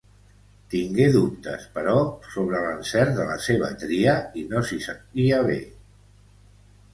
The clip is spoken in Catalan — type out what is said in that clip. Tingué dubtes, però, sobre l'encert de la seva tria i no s'hi sentia bé.